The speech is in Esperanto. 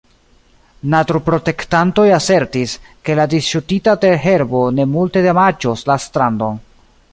Naturprotektantoj asertis, ke la disŝutita teherbo ne multe damaĝos la strandon.